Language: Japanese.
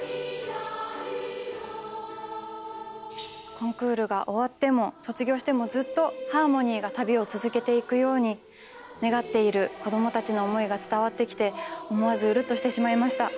コンクールが終わっても卒業してもずっとハーモニーが旅を続けていくように願っている子供たちの思いが伝わってきて思わずウルっとしてしまいました。